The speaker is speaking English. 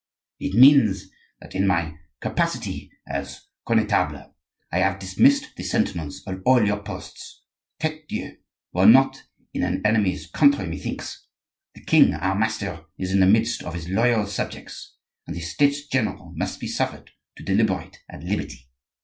"It means that in my capacity as Connetable, I have dismissed the sentinels of all your posts. Tete Dieu! you are not in an enemy's country, methinks. The king, our master, is in the midst of his loyal subjects, and the States general must be suffered to deliberate at liberty.